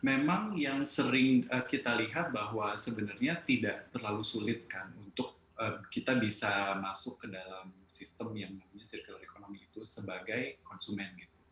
memang yang sering kita lihat bahwa sebenarnya tidak terlalu sulit kan untuk kita bisa masuk ke dalam sistem yang namanya circular economy itu sebagai konsumen gitu